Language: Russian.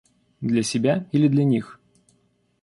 Для себя — или для них?